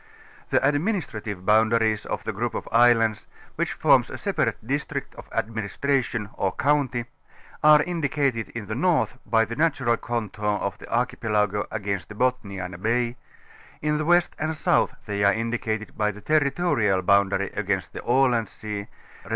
'^ The administrative boundaries of the group of islands, which forms a separate district of administration or county, are indicated in the north by the natural contour of the archi pelago againts the Bothnian Baj', in the west and south "^ they are indicated bj the territorial boundary against the ^^ Aland Sea, resp.